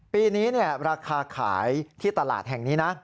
ปีนี้ราคาขายที่ตลาดแห่งนี้นะ